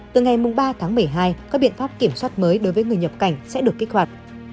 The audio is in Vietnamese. từ ngày ba tháng một mươi hai các biện pháp kiểm soát mới đối với người nhập cảnh sẽ được kích hoạt